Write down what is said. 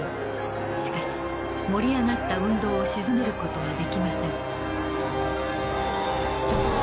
しかし盛り上がった運動を鎮める事はできません。